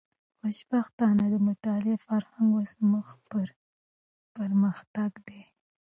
خوشبختانه، د مطالعې فرهنګ اوس مخ پر پرمختګ دی.